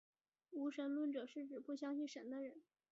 无神论者是指不相信神的人。